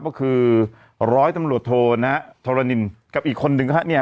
ก็คือร้อยตำรวจโทนะทรนินกับอีกคนนึงฮะเนี่ย